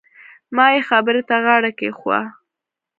ما يې خبرې ته غاړه کېښووه.